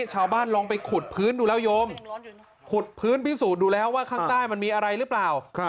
ลองไปขุดพื้นดูแล้วโยมขุดพื้นพิสูจน์ดูแล้วว่าข้างใต้มันมีอะไรหรือเปล่า